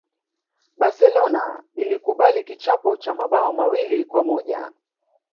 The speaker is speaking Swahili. barcelona ilikubali kichapo cha mabao mawili kwa moja